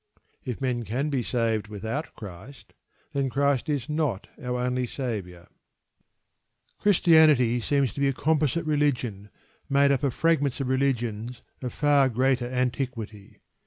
If men can be saved without Christ, then Christ is not our only Saviour. Christianity seems to be a composite religion, made up of fragments of religions of far greater antiquity.